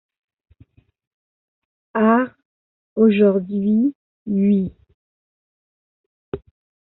Art Aujourd’hui, Huy.